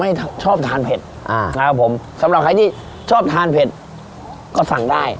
ชอบทานเผ็ดอ่านะครับผมสำหรับใครที่ชอบทานเผ็ดก็สั่งได้